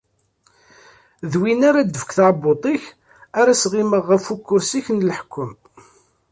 D win ara d-tefk tɛebbuḍt-ik ara sɣimeɣ ɣef ukersi-k n leḥkem.